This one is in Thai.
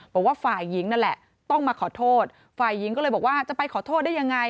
บอกว่าฝ่ายหญิงนั่นแหละต้องมาขอโทษฝ่ายหญิงก็เลยบอกว่าจะไปขอโทษได้ยังไง